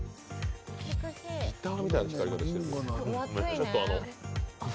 ギターみたいな光り方してる。